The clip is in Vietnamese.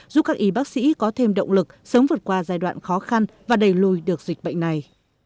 giúp các y bác sĩ có thêm động lực sớm vượt qua giai đoạn khó khăn và đẩy lùi được dịch bệnh này